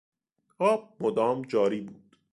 آب مدام جاری بود.